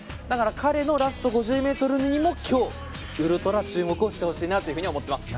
彼のラスト５０ｍにも今日ウルトラ注目をしてほしいなと思います。